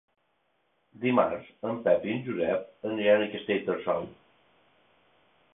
Dimarts en Pep i en Josep aniran a Castellterçol.